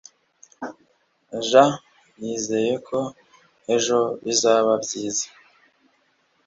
jean yizeye ko ejo bizaba byiza